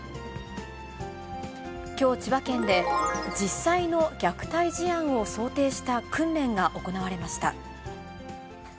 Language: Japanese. きょう、千葉県で、実際の虐待事案を想定した訓練が行われました。